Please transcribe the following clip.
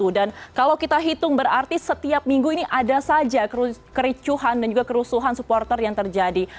dan kalau kita hitung berarti setiap minggu ini ada saja kericuhan dan juga kerusuhan supporter yang terjadi